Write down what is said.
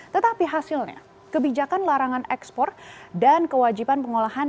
tetapi hasilnya kebijakan larangan ekspor dan kewajiban pengolahan